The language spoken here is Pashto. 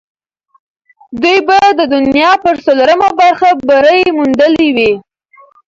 دوی به د دنیا پر څلورمه برخه بری موندلی وي.